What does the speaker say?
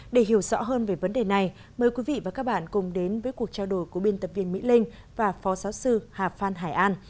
để hiểu rõ hơn về vấn đề này mời quý vị và các bạn cùng đến với cuộc trao đổi của biên tập viên mỹ linh và phó giáo sư hà phan hải an